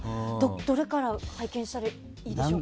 どれから拝見したらいいでしょうか？